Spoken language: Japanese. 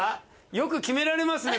よく決められますね